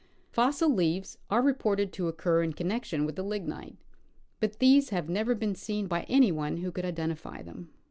Fossil leaves are reported to occur in con nection with the lignite, but these have never been seen by any one who could identify them.